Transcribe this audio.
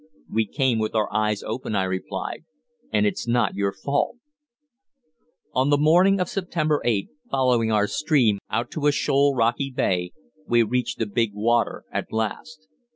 "We came with our eyes open," I replied, "and it's not your fault." On the morning of September 8th, following our stream out to a shoal, rocky bay, we reached the "big water" at last.